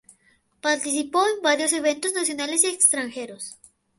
Participó en varios eventos nacionales y extranjeros.